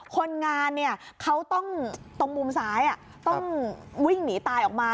คนงานตรงมุมซ้ายต้องวิ่งหนีตายออกมา